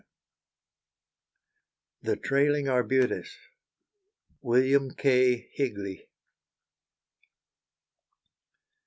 THE TRAILING ARBUTUS. WILLIAM K. HIGLEY.